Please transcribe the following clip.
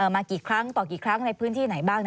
มากี่ครั้งต่อกี่ครั้งในพื้นที่ไหนบ้าง